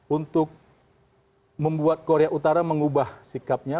untuk membuat korea utara mengubah sikapnya